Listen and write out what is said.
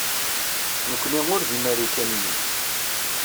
Nekkni ur d Imarikaniyen.